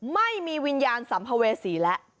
ไม่มีวิญญาณสัมภเวษีแล้ว